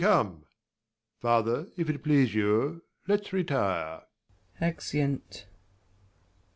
I come ! Father, if it please you, let's retire. [Exeunt.